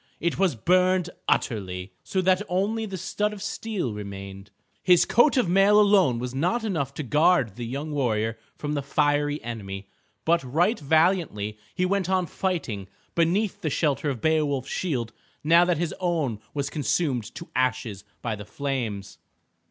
It was burned utterly, so that only the stud of steel remained. His coat of mail alone was not enough to guard the young warrior from the fiery enemy. But right valiantly he went on fighting beneath the shelter of Beowulf's shield now that his own was consumed to ashes by the flames.